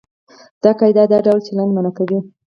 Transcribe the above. دا قاعده دا ډول چلند منع کوي.